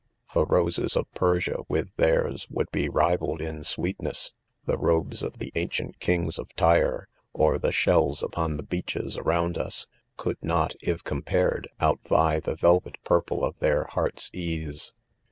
The roses of Persia, with theirs would; be rivalled in sweetness.— The. robes of the ancient kings! of Tyre, or the shells upon: the beaches aroim|d .'us,. could not, if /compared, outvie the velvet purple of "their hearts ease.